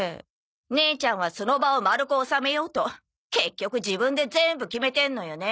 姉ちゃんはその場を丸く収めようと結局自分で全部決めてんのよね。